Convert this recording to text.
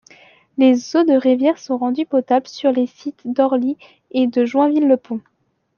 Les eaux de rivière sont rendues potables sur les sites d'Orly et de Joinville-le-Pont.